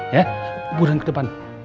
ya pulang ke depan